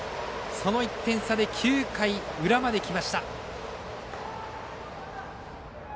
その１点差で９回裏まできました。